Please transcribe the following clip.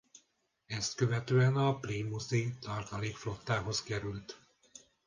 Ezt követően a Plymouth-i Tartalék Flottához került.